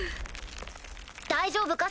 大丈夫か？